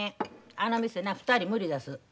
あの店な２人無理だす。